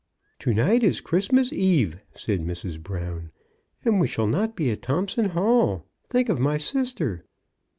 '* To night is Christmas eve," said Mrs. Brown, '* and we shall not be at Thompson Hall. Think of my sister